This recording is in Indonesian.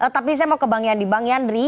tapi saya mau kebangian di bang yandri